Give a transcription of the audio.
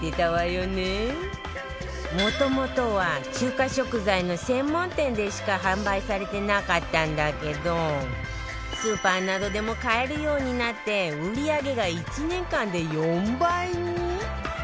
もともとは中華食材の専門店でしか販売されてなかったんだけどスーパーなどでも買えるようになって売り上げが１年間で４倍に